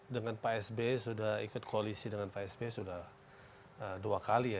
dengan pak s b sudah ikut koalisi dengan pak s b sudah dua kali ya